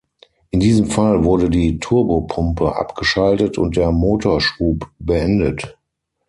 In diesem Fall wurde die Turbopumpe abgeschaltet und der Motorschub beendet.